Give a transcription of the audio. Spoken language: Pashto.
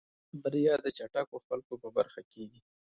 بريا د چټکو خلکو په برخه کېږي.